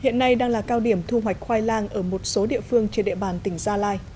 hiện nay đang là cao điểm thu hoạch khoai lang ở một số địa phương trên địa bàn tỉnh gia lai